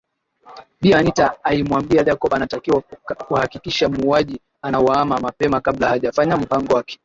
Bi Anita aimwambia Jacob anatakiwa kuhakikisha muuaji anauawa mapema kabla hajafanya mpango wake